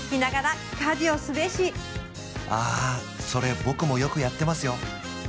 あそれ僕もよくやってますよ